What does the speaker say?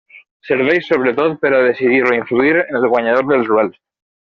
Serveix sobretot per a decidir o influir en el guanyador dels duels.